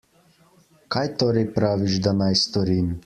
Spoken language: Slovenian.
Kaj torej praviš, da naj storim?